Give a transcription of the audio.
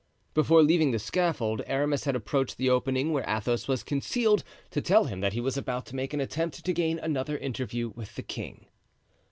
Before leaving the scaffold Aramis had approached the opening where Athos was concealed to tell him that he was about to make an attempt to gain another interview with the king.